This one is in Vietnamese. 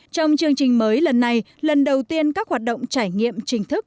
trong chương trình mới lần này lần đầu tiên các hoạt động trải nghiệm chính thức